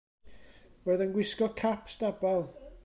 Roedd e'n gwisgo cap stabal.